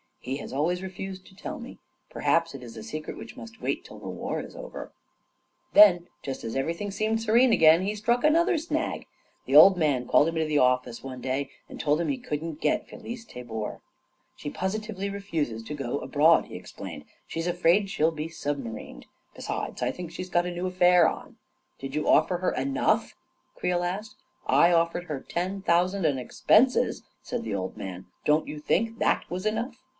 He has always refused to tell me — perhaps it is a secret which must wait till the war is overt Then, just as everything seemed serene again, he struck another snag. The old man called him into %# 28 A KING IN BABYLON the office one day and told him he couldn't get Felice Tabor. "She positively refuses to go abroad, 9 ' he ex plained. " She's afraid she'll be submarined. Be* sides, I think she's got a new affair on." 44 Did you offer her enough ?" Creel asked. " I offered her ten thousand and expenses," said the old man. " Don't you think that was enough?